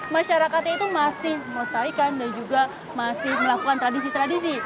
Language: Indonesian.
masyarakatnya itu masih melestarikan dan juga masih melakukan tradisi tradisi